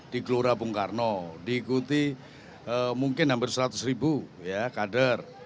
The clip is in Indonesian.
di gelora bung karno diikuti mungkin hampir seratus ribu kader